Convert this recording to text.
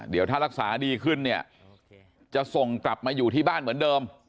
เดี๋ยวถ้ารักษาดีขึ้นเนี่ยจะส่งกลับมาอยู่ที่บ้านเหมือนเดิม